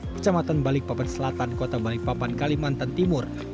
kecamatan balikpapan selatan kota balikpapan kalimantan timur